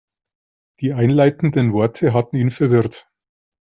Die einleitenden Worte hatten ihn verwirrt.